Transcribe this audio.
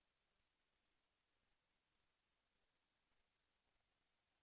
แสวได้ไงของเราก็เชียนนักอยู่ค่ะเป็นผู้ร่วมงานที่ดีมาก